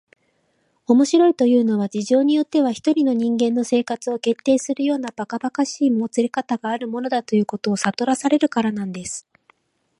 「面白いというのは、事情によっては一人の人間の生活を決定するようなばかばかしいもつれかたがあるものだ、ということをさとらせられるからなんです」